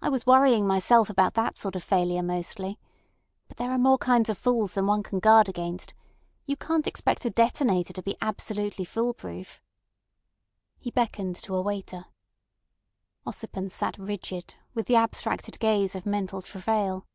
I was worrying myself about that sort of failure mostly. But there are more kinds of fools than one can guard against. You can't expect a detonator to be absolutely fool proof." He beckoned to a waiter. Ossipon sat rigid, with the abstracted gaze of mental travail.